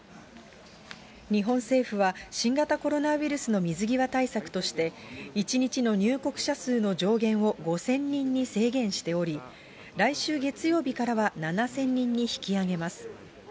日本政府は、新型コロナウイルスの水際対策として、１日の入国者数の上限を５０００人に制限しており、来週月曜日からは７０００人に引き上げます。